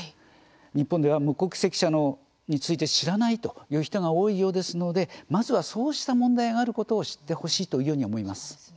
日本では無国籍者について知らないという人が多いようですのでまずは、そうした問題があることを知ってほしいというように思います。